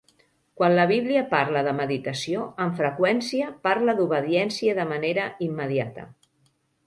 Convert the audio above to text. Quan la Bíblia parla de meditació, amb freqüència parla d"obediència de manera immediata.